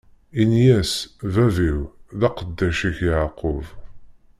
Ini-yas: Bab-iw, d aqeddac-ik Yeɛqub.